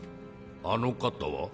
あの方は？